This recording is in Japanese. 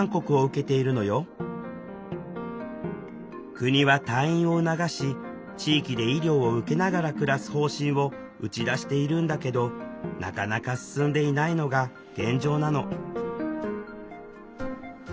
国は退院を促し地域で医療を受けながら暮らす方針を打ち出しているんだけどなかなか進んでいないのが現状なの。